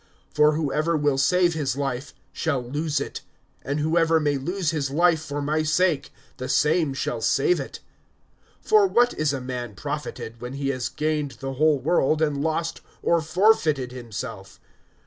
(24)For whoever will save his life shall lose it; and whoever may lose his life for my sake, the same shall save it (25)For what is a man profited, when he has gained the whole world, and lost or forfeited himself?